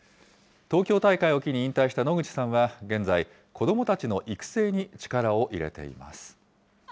東京大会を機に引退した野口さんは、現在、子どもたちの育成に力を入れています。